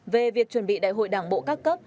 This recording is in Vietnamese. về việc chuẩn bị đại hội đảng bộ các cấp